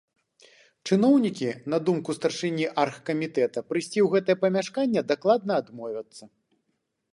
Чыноўнікі, на думку старшыні аргкамітэта, прыйсці ў гэтае памяшканне дакладна адмовяцца.